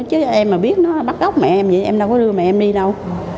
chứ em mà biết nó bắt góc mẹ em vậy em đâu có đưa mẹ em đi đâu